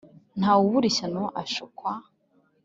ntawe ubura ishyano ashyukwa